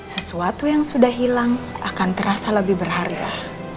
sesuatu yang sudah hilang akan terasa lebih berharga